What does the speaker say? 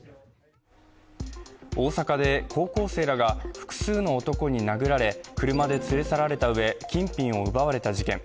大阪で高校生らが複数の男に殴られ、車で連れ去られたうえ、金品を奪われた事件。